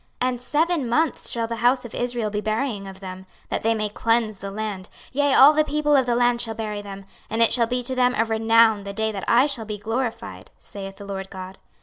26:039:012 And seven months shall the house of Israel be burying of them, that they may cleanse the land. 26:039:013 Yea, all the people of the land shall bury them; and it shall be to them a renown the day that I shall be glorified, saith the Lord GOD.